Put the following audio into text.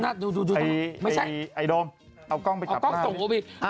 ดูดูดูดูไม่ใช่ไอ้โดมเอากล้องไปกลับเอากล้องส่งอ่า